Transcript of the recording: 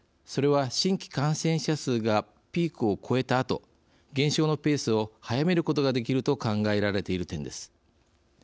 それは、新規感染者数がピークをこえたあと減少のペースを速めることができると考えられている点です。